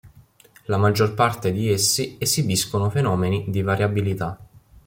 La maggior parte di essi esibiscono fenomeni di variabilità.